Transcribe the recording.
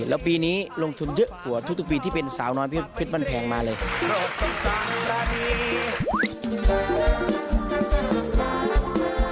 แล้วปีนี้ลงทุนเยอะกว่าทุกปีที่เป็นสาวน้อยเพชรบ้านแพงมาเลย